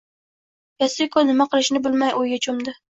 Yosiko nima qilishini bilmay, o`yga cho`mdi